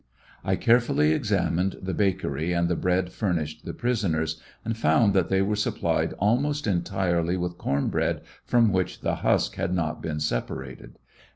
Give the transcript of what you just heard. I carefully examined the bakery and the bread furnished the prisoners, and found that they were supplied almost entirely with corn bread from which the husk had not been separated.